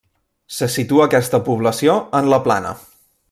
Se situa aquesta població en la Plana.